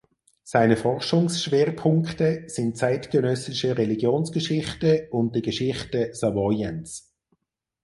Seine Forschungsschwerpunkte sind zeitgenössische Religionsgeschichte und die Geschichte Savoyens.